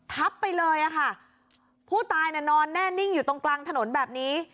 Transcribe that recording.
ทับไปเลยอะค่ะผู้ตายน่ะนอนแน่นิ่งอยู่ตรงกลางถนนแบบนี้